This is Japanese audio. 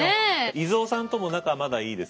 以蔵さんとも仲まだいいですか？